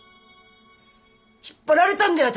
引っ張られたんだよ